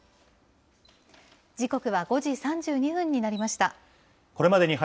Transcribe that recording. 時刻は５時３２分になりました。